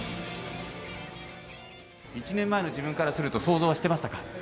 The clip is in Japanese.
１年前の自分からすると、想像はしてましたか？